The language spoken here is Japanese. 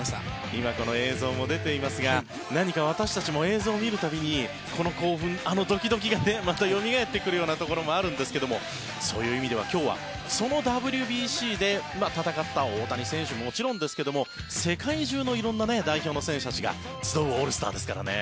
今、映像も出ていますが私たちも映像が出る度にこの興奮あのドキドキがまたよみがえってくるところもあるんですがそういう意味では今日はそのＷＢＣで戦った大谷選手はもちろんですが世界中の色んな代表の選手たちが集うオールスターですからね。